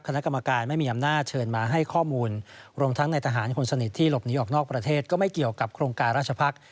คณะกรรมการไม่มีอำนาจเชิญมาให้ข้อมูลรวมทั้งในทหารคนสนิทที่หลบหนีออกนอกประเทศก็ไม่เกี่ยวกับโครงการราชพักษ์